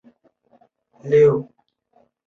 祖父张永德。